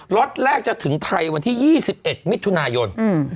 ล็อตแรกจะถึงไทยวันที่๒๑มิถุนายน